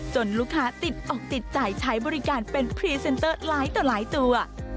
ลูกค้าติดอกติดใจใช้บริการเป็นพรีเซนเตอร์หลายต่อหลายตัว